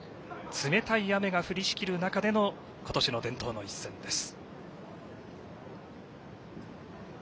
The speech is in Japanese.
冷たい雨が降りしきる中での今年の伝統の一戦です。